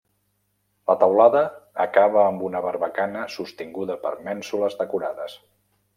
La teulada acaba amb una barbacana sostinguda per mènsules decorades.